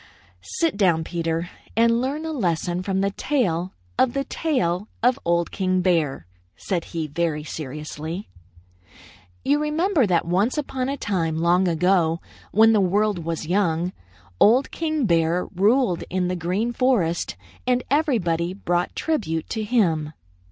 "Sit down, Peter, and learn a lesson from the tale of the tail of Old King Bear," said he very seriously. "You remember that once upon a time, long ago, when the world was young, Old King Bear ruled in the Green Forest, and everybody brought tribute to him."